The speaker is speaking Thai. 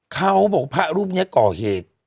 เขาบอกว่าพระรูปนี้ก่อเหตุ